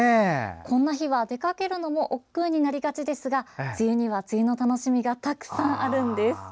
こんな日は出かけるのもおっくうになりがちですが梅雨には梅雨の楽しみがたくさんあるんです。